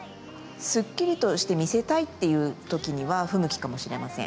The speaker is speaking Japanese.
すっきりとして見せたいっていう時には不向きかもしれません。